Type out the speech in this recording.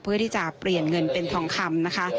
เพื่อที่จะเปลี่ยนเงินเป็นทองคำนะคะ